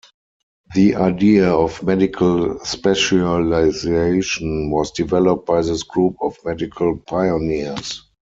The idea of medical specialization was developed by this group of medical pioneers.